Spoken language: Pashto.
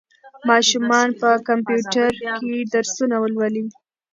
ماشومان په کمپیوټر کې درسونه لولي.